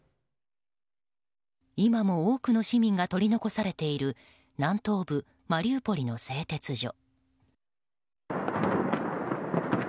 今も多くの市民が取り残されている南東部マリウポリの製鉄所。